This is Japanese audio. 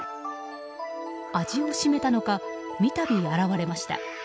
味を占めたのか三度現われました。